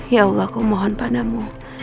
ya allah aku mohon padamu